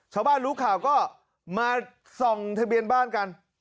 ชาวบ้านรู้ข่าวก็มาส่องทะเบียนบ้านกัน